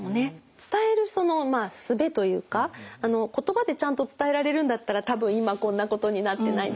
伝えるそのすべというか言葉でちゃんと伝えられるんだったら多分今こんなことになってないでしょうね。